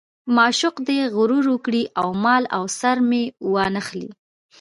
معشوق دې غرور وکړي او مال او سر مې وانه خلي.